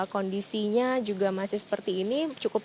kondisinya juga masih seperti ini cukup